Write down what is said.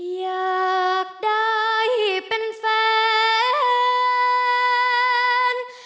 อยากได้เป็นแฟน